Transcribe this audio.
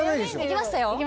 行きましたよ